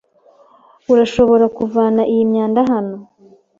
Urashobora kuvana iyi myanda hano?